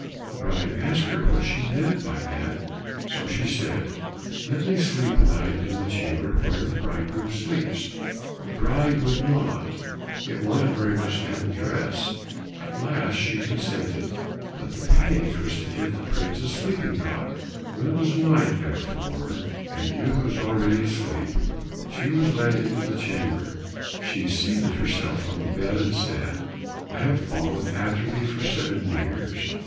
The bride asked her what she meant by that, so she said, "Let me sleep a night in the chamber where the bridegroom sleeps." The bride would not, yet wanted very much to have the dress; at last she consented, but the page was to give the prince a sleeping draught. When it was night, therefore, and the youth was already asleep, she was led into the chamber; she seated herself on the bed and said, "I have followed after thee for seven years.